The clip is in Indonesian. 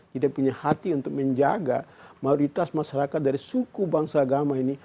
tidak punya hati untuk menjaga mayoritas masyarakat dari suku bangsa agama ini